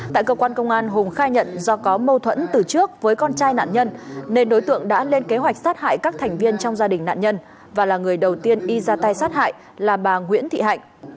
tại cơ quan công an hùng khai nhận do có mâu thuẫn từ trước với con trai nạn nhân nên đối tượng đã lên kế hoạch sát hại các thành viên trong gia đình nạn nhân và là người đầu tiên y ra tay sát hại là bà nguyễn thị hạnh